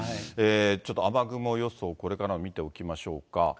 ちょっと雨雲予想、これからの見ておきましょうか。